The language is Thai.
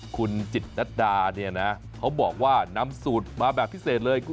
คุณจิตนัดดาเนี่ยนะเขาบอกว่านำสูตรมาแบบพิเศษเลย